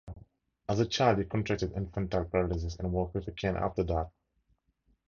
As a child, he contracted infantile paralysis and walked with a cane after that.